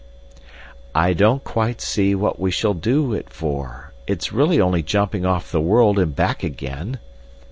"I don't quite see what we shall do it for! It's really only jumping off the world and back again."